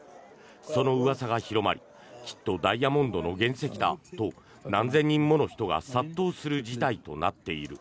そのうわさが広まりきっとダイヤモンドの原石だと何千人もの人が殺到する事態となっている。